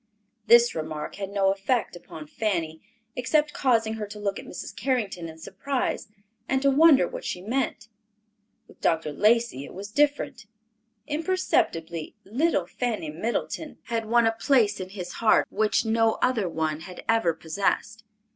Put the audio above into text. This remark had no effect upon Fanny, except causing her to look at Mrs. Carrington in surprise and to wonder what she meant. With Dr. Lacey it was different. Imperceptibly, "Little Fanny Middleton" had won a place in his heart which no other one had ever possessed.